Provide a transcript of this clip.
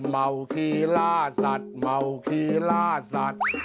เมาคีลาสัตต์เมาคีลาสัตต์